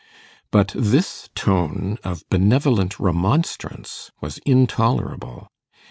But this tone of benevolent remonstrance was intolerable.